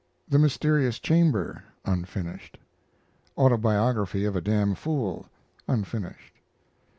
THE MYSTERIOUS CHAMBER (unfinished). AUTOBIOGRAPHY OF A DAMN FOOL (unfinished).